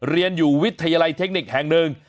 เรียนอยู่วิทยาลัยเทคนิคแห่งหนึ่ง